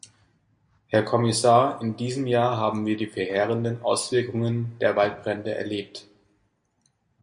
Herr Kommissar, in diesem Jahr haben wir die verheerenden Auswirkungen der Waldbrände erlebt.